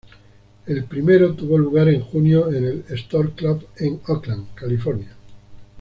El primero tuvo lugar en junio en el Stork Club en Oakland, California.